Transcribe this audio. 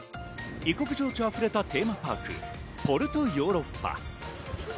異国情緒溢れたテーマパーク、ポルトヨーロッパ。